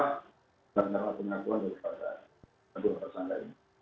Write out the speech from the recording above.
tidak ada pengakuan daripada kedua tersangka ini